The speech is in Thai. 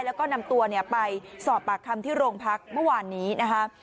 แล้วก็นำตัวไปสอบปากคำที่โรงพักเมื่อวานนี้นะคะ